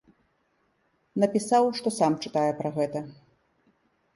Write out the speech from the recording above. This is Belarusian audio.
Напісаў, што сам чытае пра гэта.